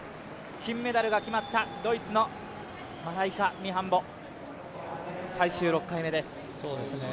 金メダルが決まったドイツのマライカ・ミハンボ、最終６回目です。